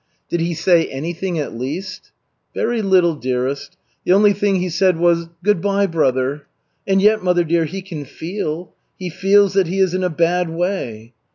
"Did he say anything at least?" "Very little, dearest. The only thing he said was, 'Good by, brother.' And yet, mother dear, he can feel. He feels that he is in a bad way."